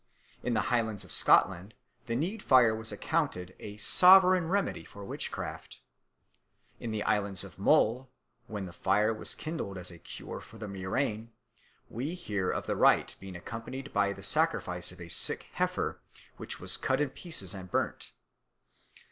In the Highlands of Scotland the need fire was accounted a sovereign remedy for witchcraft. In the island of Mull, when the fire was kindled as a cure for the murrain, we hear of the rite being accompanied by the sacrifice of a sick heifer, which was cut in pieces and burnt.